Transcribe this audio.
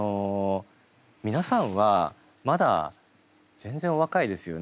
皆さんはまだ全然お若いですよね？